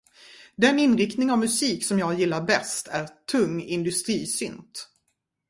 Den inriktning av musik jag gillar bäst är tung industrisynth.